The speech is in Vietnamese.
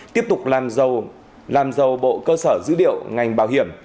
tiếp tục làm giàu bộ cơ sở dữ liệu ngành bảo hiểm